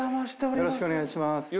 よろしくお願いします。